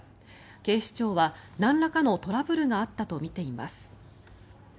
警視庁はなんらかのトラブルがあったとみています。